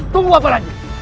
tunggu apa lagi